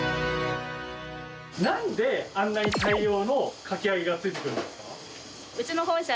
なんであんなに大量のかき揚げがついてくるんですか？